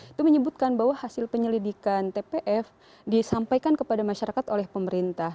itu menyebutkan bahwa hasil penyelidikan tpf disampaikan kepada masyarakat oleh pemerintah